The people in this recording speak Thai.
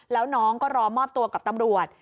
แล้วน้องก็รอมอบตัวกับตำรวจ